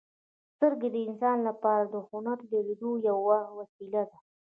• سترګې د انسان لپاره د هنر د لیدلو یوه وسیله ده.